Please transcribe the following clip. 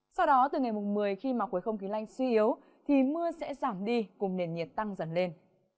sau đó từ ngày một mươi khi mà khối không khí lạnh suy yếu thì mưa sẽ giảm đi cùng nền nhiệt tăng dần lên